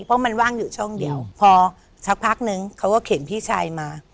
เพราะมันว่างอยู่ช่องเดียวพอสักพักนึงเขาก็เข็นพี่ชายมา